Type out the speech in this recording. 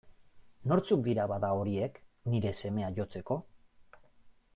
Nortzuk dira, bada, horiek, nire semea jotzeko?